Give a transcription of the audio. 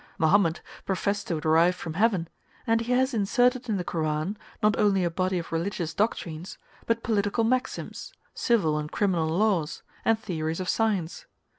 Mahommed professed to derive from Heaven, and he has inserted in the Koran, not only a body of religious doctrines, but political maxims, civil and criminal laws, and theories of science.